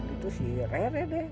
itu si rere deh